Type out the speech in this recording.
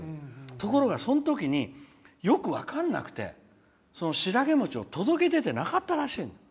ところが、そのときによく分かんなくてシラゲモチを届け出てなかったらしいの。